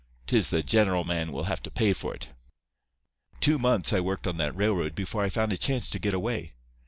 'Tis the general man will have to pay for it.' "Two months I worked on that railroad before I found a chance to get away.